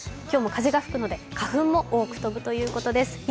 今日も風が吹くので花粉も多く飛ぶということです。